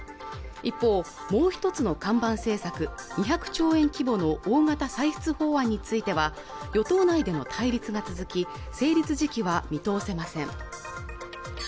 一方もう一つの看板政策２００兆円規模の大型歳出法案については与党内での対立が続き成立時期は見通せません